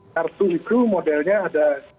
kartu itu modelnya ada